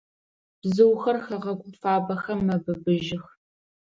Бзыухэр хэгъэгу фабэхэм мэбыбыжьых.